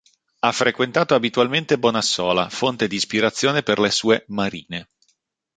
Ha frequentato abitualmente Bonassola, fonte di ispirazione per le sue "marine".